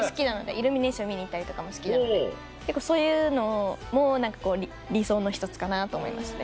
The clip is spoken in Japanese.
イルミネーション見に行ったりとかも好きなので結構そういうのも何かこう理想の１つかなと思いますね。